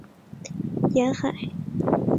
且需要配合潮汐的时间来起降飞机。